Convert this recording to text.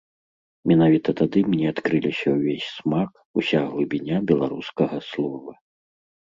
Менавіта тады мне адкрыліся ўвесь смак, уся глыбіня беларускага слова.